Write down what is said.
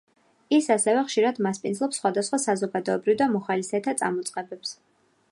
ის ასევე ხშირად მასპინძლობს სხვადასხვა საზოგადოებრივ და მოხალისეთა წამოწყებებს.